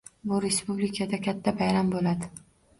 Bu respublikada katta bayram bo'ladi